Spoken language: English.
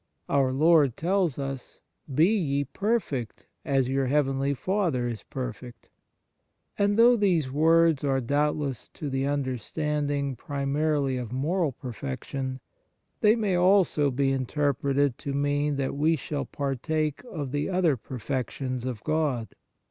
Our Lord tells us :" Be ye perfect as your heavenly Father is perfect;" and though these words are doubtless to be understood primarily of moral perfection, they may also be interpreted to mean that we shall partake of the other perfections of God.